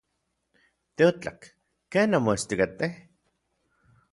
Teotlak. ¿Ken nanmoestikatej?